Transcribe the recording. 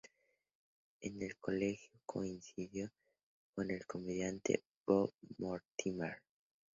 En el colegio coincidió con el comediante Bob Mortimer.